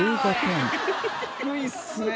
低いっすね。